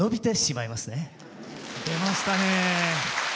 出ましたね。